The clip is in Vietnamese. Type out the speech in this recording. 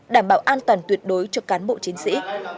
đảm bảo an toàn tuyệt đối cho cán bộ chiến sĩ